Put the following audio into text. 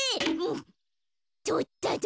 とったど。